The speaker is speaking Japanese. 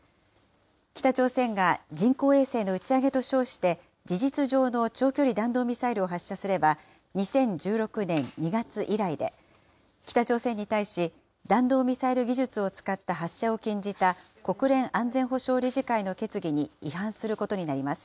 北朝鮮が人工衛星の打ち上げと称して、事実上の長距離弾道ミサイルを発射すれば、２０１６年２月以来で、北朝鮮に対し、弾道ミサイル技術を使った発射を禁じた国連安全保障理事会の決議に違反することになります。